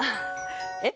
えっ？